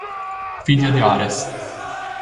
Figlia di Ares.